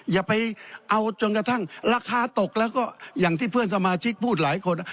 อย่าไปเอาจนกระทั่งราคาตกแล้วก็อย่างที่เพื่อนสมาชิกพูดหลายคน